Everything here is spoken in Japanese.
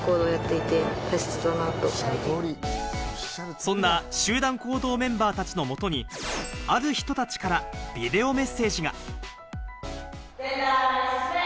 そんな集団行動メンバーたちのもとにある人たちからビデオメッセージが。